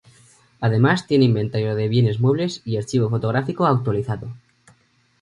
Además tiene inventario de bienes muebles y archivo fotográfico actualizado.